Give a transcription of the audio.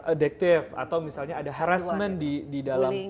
adektif atau misalnya ada harassment di dalam